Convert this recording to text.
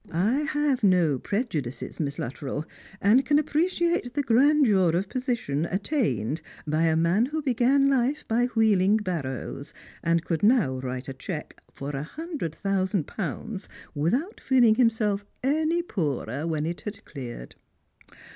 I have no prejudices. Miss Luttrell, ond can appreciate the grandeur of position attained by a man who began hfe by wheeling barrows, and could now write a cheque for a hundred thousand pouuds without feeling him self any poorer when it had been cleared.